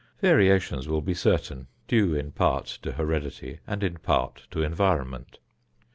Variations will be certain, due in part to heredity and in part to environment.